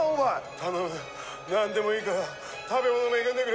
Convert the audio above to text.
頼むなんでもいいから食べ物恵んでくれ。